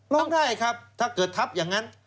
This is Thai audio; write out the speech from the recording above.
ร้องได้ครับถ้าเกิดทับอย่างนั้น